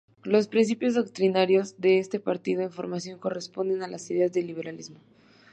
Los principios doctrinarios de este partido en formación corresponden a las ideas del liberalismo.